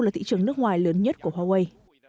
và thị trường nước ngoài lớn nhất của huawei